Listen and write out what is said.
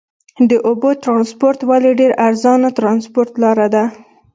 د اوبو ترانسپورت ولې ډېره ارزانه ترانسپورت لار ده؟